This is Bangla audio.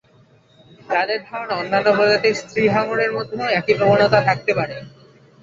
তাঁদের ধারণা, অন্যান্য প্রজাতির স্ত্রী হাঙরের মধ্যেও একই প্রবণতা থাকতে পারে।